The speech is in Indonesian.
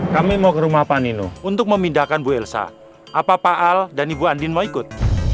kami mau ke rumah pak nino untuk memindahkan bu elsa apa pak al dan ibu andin mau ikut